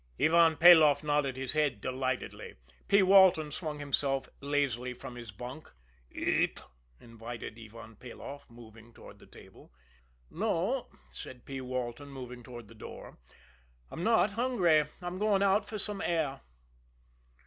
Ivan Peloff nodded his head delightedly. P. Walton swung himself lazily from his bunk. "Eat?" invited Ivan Peloff, moving toward the table. "No," said P. Walton, moving toward the door. "I'm not hungry; I'm going out for some air."